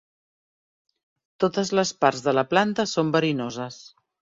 Totes les parts de la planta són verinoses.